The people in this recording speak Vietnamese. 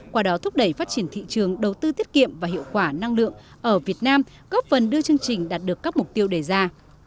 qua đó thúc đẩy phát triển thị trường đầu tư tiết kiệm và hiệu quả năng lượng ở việt nam góp phần đưa chương trình đạt được các mục tiêu đề ra